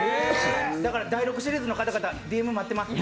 だから第６シリーズの方々、ＤＭ待ってます。